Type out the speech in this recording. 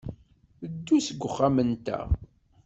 Ddu seg uxxam-nteɣ.